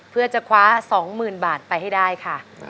เพื่อจะคว้าสองหมื่นบาทไปให้ได้ค่ะ